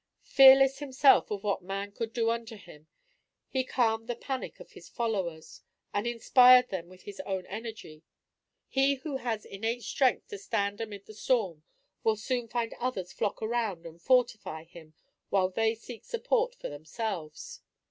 Fearless himself of what man could do unto him, he calmed the panic of his followers, and inspired them with his own energy. He who has innate strength to stand amid the storm, will soon find others flock around and fortify him while they seek support for themselves.